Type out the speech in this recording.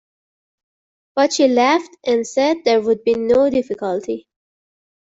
But she laughed, and said there would be no difficulty.